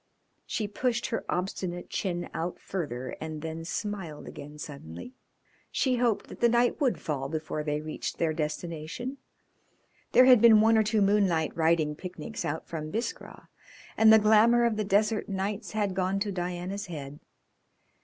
She pushed her obstinate chin out further and then smiled again suddenly. She hoped that the night would fall before they reached their destination. There had been one or two moonlight riding picnics out from Biskra, and the glamour of the desert nights had gone to Diana's head.